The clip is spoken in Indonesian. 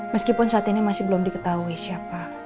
meskipun saat ini masih belum diketahui siapa